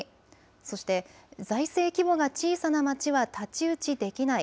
そして、財政規模が小さな町は太刀打ちできない。